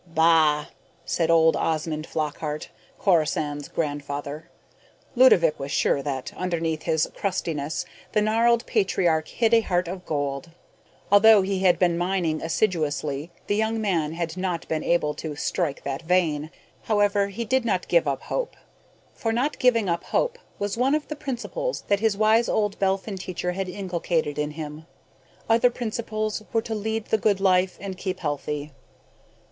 "Bah!" said old Osmond Flockhart, Corisande's grandfather. Ludovick was sure that, underneath his crustiness, the gnarled patriarch hid a heart of gold. Although he had been mining assiduously, the young man had not yet been able to strike that vein; however, he did not give up hope, for not giving up hope was one of the principles that his wise old Belphin teacher had inculcated in him. Other principles were to lead the good life and keep healthy.